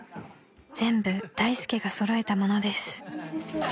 ［全部大助が揃えたものです］